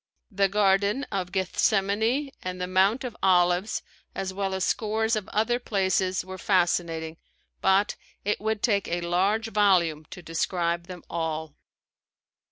The Garden of Gethsemane and the Mount of Olives as well as scores of other places were fascinating but it would take a large volume to describe them all.